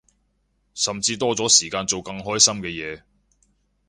甚至多咗時間做更開心嘅嘢